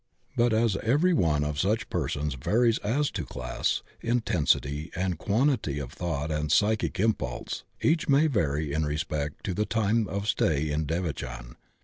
But as every one of such persons varies as to class, intensity and quantity of thought and psychic impulse, each may vary in respect to the time of stay in devachan.